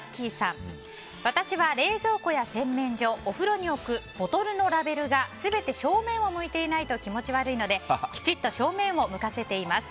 私は冷蔵庫や洗面所お風呂に置くボトルのラベルが全て正面を向いていないと気持ち悪いのできちっと正面を向かせています。